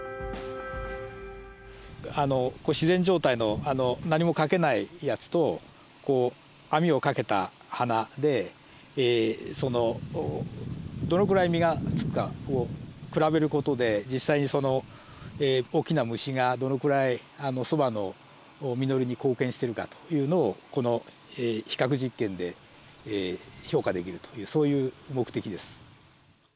自然状態の何もかけないやつとこう網をかけた花でどのくらい実がつくかを比べる事で実際に大きな虫がどのくらいそばの実りに貢献してるかというのをこの比較実験で評価できるというそういう目的です。